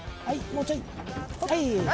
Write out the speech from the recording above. はい！